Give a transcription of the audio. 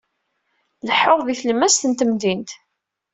Leḥḥuɣ di tlemmast n temdint.